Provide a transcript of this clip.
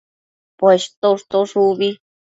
Poshto ushtosh ubi